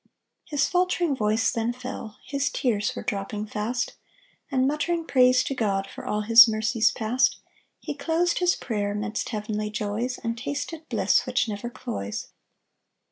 His faltering voice then fell, His tears were dropping fast, And muttering praise to God For all His mercies past, He closed his prayer Midst heavenly joys, And tasted bliss Which never cloys.